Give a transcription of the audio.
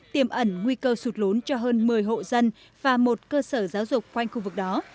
tiềm ẩn nguy cơ sụt lốn cho hơn một mươi hộ dân và một cơ sở giáo dục quanh khu vực đó